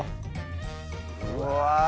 うわ！